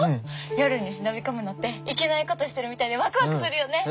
夜に忍び込むのっていけないことしてるみたいでワクワクするよね！